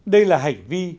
đây là hành vi